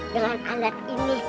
dengan alat ini